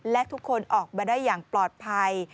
และทุกคนออกมาได้อย่างปลอดภัย